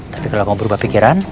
tapi kalau mau berubah pikiran